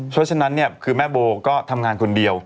เพราะฉะนั้นเนี่ยคือแม่โบก็ทำงานคนเดียว